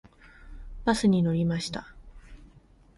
バスに乗りました。